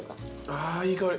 ああいい香り。